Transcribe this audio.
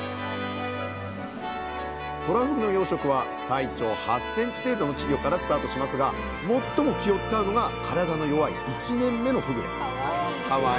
とらふぐの養殖は体長８ｃｍ程度の稚魚からスタートしますが最も気を遣うのが体の弱い１年目のふぐですかわいい。